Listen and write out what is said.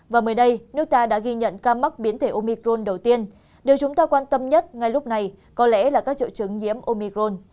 và mới đây nước ta đã ghi nhận ca mắc biến thể omicron đầu tiên điều chúng ta quan tâm nhất ngay lúc này có lẽ là các triệu chứng nhiễm omicron